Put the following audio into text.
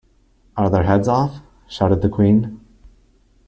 ‘Are their heads off?’ shouted the Queen.